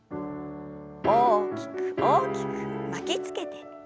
大きく大きく巻きつけて。